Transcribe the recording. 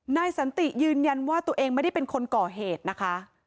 นายสันติยืนยันว่าตัวเองไม่ได้เป็นคนก่อเหตุนะคะ